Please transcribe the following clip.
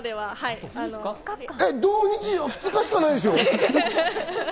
土日２日しかないですよ。